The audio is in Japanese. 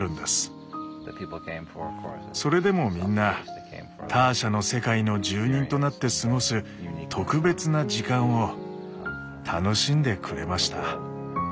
それでもみんなターシャの世界の住人となって過ごす特別な時間を楽しんでくれました。